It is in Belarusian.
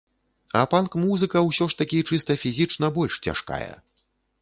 А панк-музыка ўсё ж такі чыста фізічна больш цяжкая.